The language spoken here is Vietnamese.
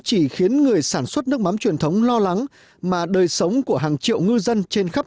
chỉ khiến người sản xuất nước mắm truyền thống lo lắng mà đời sống của hàng triệu ngư dân trên khắp